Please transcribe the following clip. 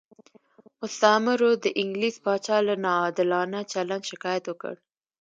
مستعمرو د انګلیس پاچا له ناعادلانه چلند شکایت وکړ.